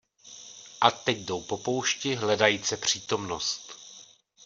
A teď jdou po poušti hledajíce přítomnost.